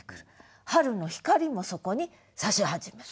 春の光もそこにさし始める。